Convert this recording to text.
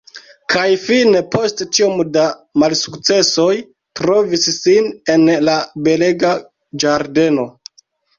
Kaj fine —post tiom da malsukcesoj—trovis sin en la belega ĝardeno.